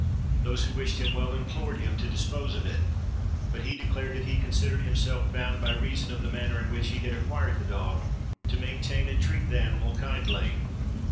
Those who wished him well, implored him to dispose of it; but he declared that he considered himself bound, by reason of the manner in which he had acquired the dog, to maintain and treat the animal kindly.